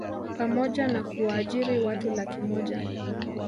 pamoja na kuwaajiri watu laki moja